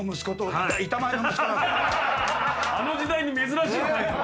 あの時代に珍しいタイプ。